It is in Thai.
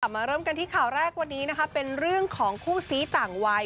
มาเริ่มกันที่ข่าวแรกวันนี้นะคะเป็นเรื่องของคู่ซี้ต่างวัย